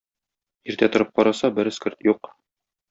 Иртә торып караса, бер эскерт юк.